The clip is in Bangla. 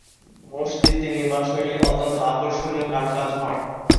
মসজিদটির নির্মাণশৈলী অত্যন্ত আকর্ষণীয় কারুকাজময়।